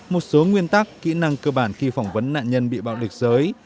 một số nguyên tắc kỹ năng cơ bản khi phỏng vấn nạn nhân bị bạo lực giới